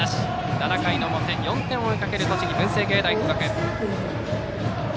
７回の表、４点を追いかける栃木・文星芸大付属。